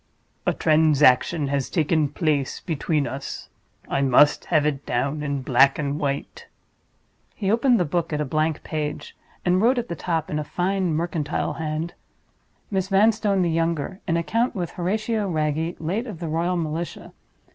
"A transaction has taken place between us. I must have it down in black and white." He opened the book at a blank page, and wrote at the top, in a fine mercantile hand: "_Miss Vanstone, the Younger: In account with Horatio Wragge, late of the Royal Militia.